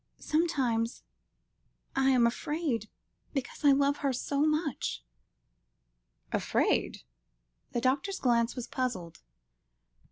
Sometimes I am afraid, because I love her so much." "Afraid?" The doctor's glance was puzzled.